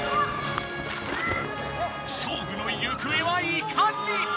勝負の行方はいかに？